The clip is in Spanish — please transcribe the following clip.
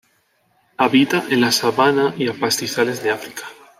Habita en la sabana y pastizales de África.